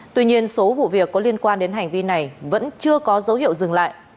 tuy nhiên số vụ việc có liên quan đến hành vi này vẫn chưa có dấu hiệu dừng lại